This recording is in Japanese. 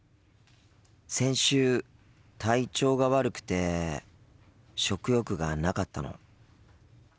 先週体調が悪くて食欲がなかったの。